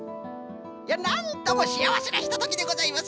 いやなんともしあわせなひとときでございますね